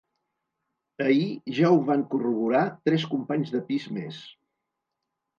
Ahir ja ho van corroborar tres companys de pis més.